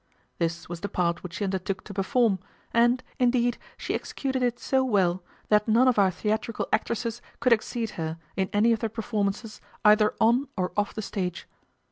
This was the part which she undertook to perform; and, indeed, she executed it so well, that none of our theatrical actresses could exceed her, in any of their performances, either on or off the stage.